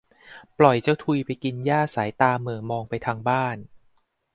ปล่อยเจ้าทุยไปกินหญ้าสายตาเหม่อมองไปทางบ้าน